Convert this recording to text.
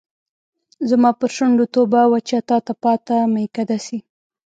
زما پر شونډو توبه وچه تاته پاته میکده سي